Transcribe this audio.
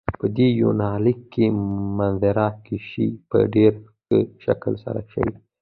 په دې يونليک کې منظره کشي په ډېر ښه شکل سره شوي.